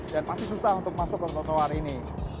dan pasti susah untuk masuk ke trotoar ini